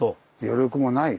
余力もない。